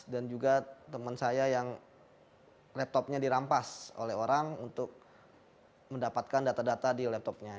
dan juga teman saya yang laptopnya dirampas oleh orang untuk mendapatkan data data di laptopnya